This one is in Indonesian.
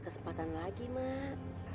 kesempatan lagi mak